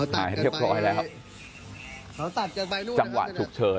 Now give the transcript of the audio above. หายเทียบพร้อยแล้วครับ